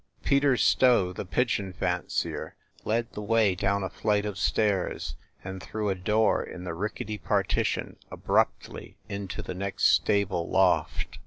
Peter Stow, the pigeon fancier, led the way down a flight of stairs, and through a door in the rickety partition abruptly into the next stable loft.